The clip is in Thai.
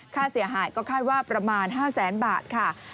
ค่าเสียหายก็คาดว่าประมาณ๕แสนบาทค่ะ